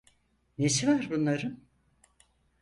Nesi var bunların?